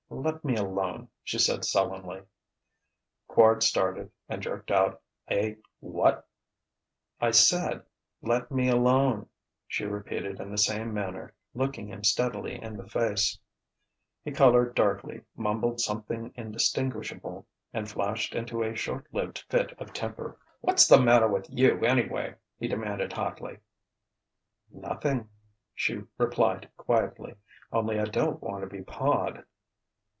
"Let me alone," she said sullenly. Quard started and jerked out a "What?" "I said, let me alone," she repeated in the same manner, looking him steadily in the face. He coloured darkly, mumbled something indistinguishable, and flashed into a short lived fit of temper. "What's the matter with you, anyway?" he demanded hotly. [Illustration: "What's the matter with you, anyway?" he demanded, hotly.] "Nothing," she replied quietly; "only I don't want to be pawed."